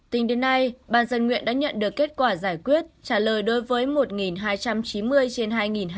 tính đến nay bàn dân nguyện đã nhận được kết quả giải quyết trả lời đối với một hai trăm chín mươi trên hai hai trăm một mươi sáu